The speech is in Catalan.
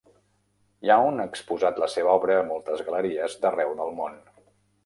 Young ha exposat la seva obra a moltes galeries d'arreu del món.